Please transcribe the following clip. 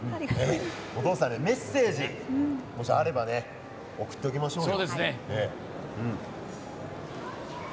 お父さんにメッセージもしあれば送っておきましょう。